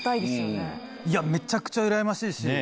いやめちゃくちゃうらやましいし。